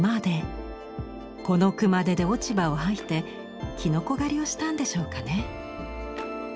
この熊手で落ち葉を掃いてきのこ狩りをしたんでしょうかね。